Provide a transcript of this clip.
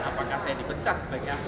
apakah saya dipecat sebagai anggota